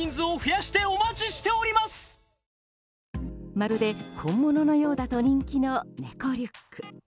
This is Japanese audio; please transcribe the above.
まるで本物のようだと人気の猫リュック。